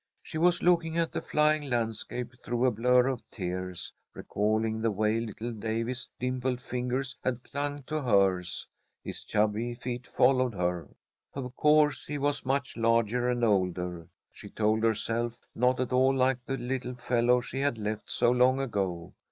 She was looking at the flying landscape through a blur of tears, recalling the way little Davy's dimpled fingers had clung to hers, his chubby feet followed her. Of course he was much larger and older, she told herself, not at all like the little fellow she had left so long ago.